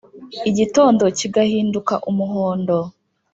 igitondo kigahinduka umuhondo